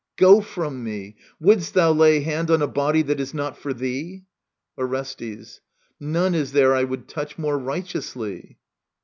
Go from me I Wouldst thou lay Hand on a body that is not for thee ? Orestes. None IS there I would touch more righteously.